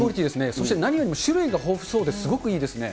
そして何よりも種類が豊富そうで、すごくいいですね。